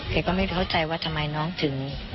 ก็ไม่เข้าใจว่าทำไมน้องถึง